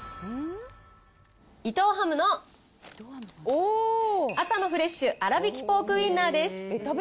伊藤ハムの朝のフレッシュあらびきポークウインナーです。